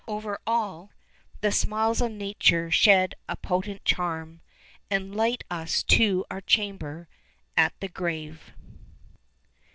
Over all The smiles of Nature shed a potent charm, And light us to our chamber at the grave.